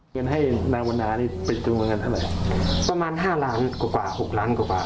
เงินให้นางวรรณานี่เป็นเงินเงินเท่าไรประมาณห้าร้านกว่าหกล้านกว่า